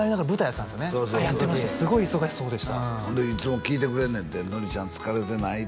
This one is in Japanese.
すごい忙しそうでしたほんでいつも聞いてくれんねんて「のりちゃん疲れてない？」